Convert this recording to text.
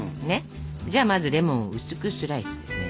じゃあまずレモンをうすくスライスですね。